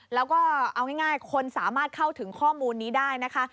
แล้วก็เอาง่ายคนสามารถเข้าถึงข้อมูลนี้ได้นะคะ